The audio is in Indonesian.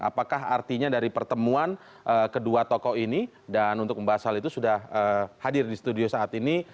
apakah artinya dari pertemuan kedua tokoh ini dan untuk membahas hal itu sudah hadir di studio saat ini